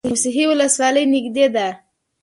موسهي ولسوالۍ نږدې ده؟